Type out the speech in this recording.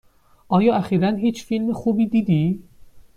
آیا اخیرا هیچ فیلم خوبی دیدی؟